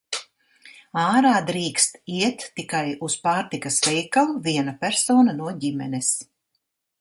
Ārā drīkst iet tikai uz pārtikas veikalu viena persona no ģimenes.